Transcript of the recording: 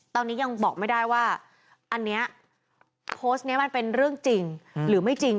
ตอนนี้ยังบอกไม่ได้ว่าอันนี้โพสต์นี้มันเป็นเรื่องจริงหรือไม่จริง